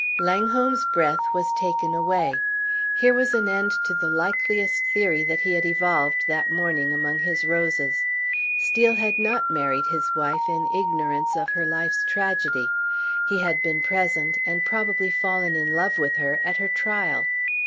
Langholm's breath was taken away. Here was an end to the likeliest theory that he had evolved that morning among his roses. Steel had not married his wife in ignorance of her life's tragedy; he had been present, and probably fallen in love with her, at her trial!